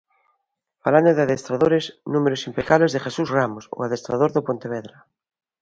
Falando de adestradores, números impecables de Jesús Ramos, o adestrador do Pontevedra.